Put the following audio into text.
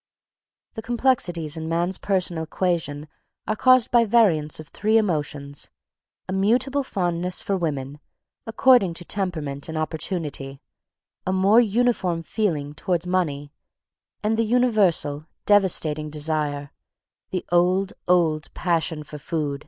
The complexities in man's personal equation are caused by variants of three emotions; a mutable fondness for women, according to temperament and opportunity, a more uniform feeling toward money, and the universal, devastating desire the old, old passion for food.